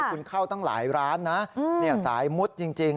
คุณเข้าตั้งหลายร้านนะสายมุดจริง